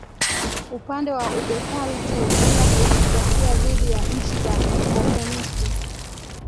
upande wa ubepari tu bila demokrasia dhidi ya nchi za kikomunisti